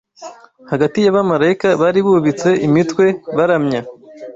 hagati y’abamarayika bari bubitse imitwe baramya